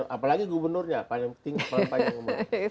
apalagi gubernurnya paling tinggi paling panjang umur